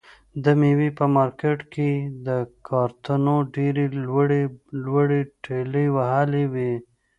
د مېوې په مارکېټ کې یې له کارتنو ډېرې لوړې لوړې ټلې وهلې وي.